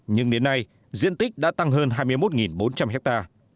nhưng đến nay diện tích đã tăng hơn hai mươi một bốn trăm linh ha